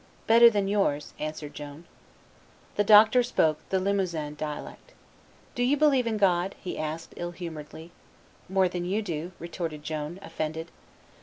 "Better than yours," answered Joan. The doctor spoke the Limousine dialect. "Do you believe in God?" he asked, ill humoredly. "More than you do," retorted Joan, offended.